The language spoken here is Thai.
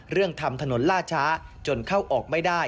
ทำถนนล่าช้าจนเข้าออกไม่ได้